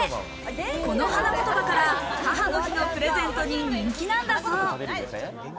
この花言葉から母の日のプレゼントに人気なんだそう。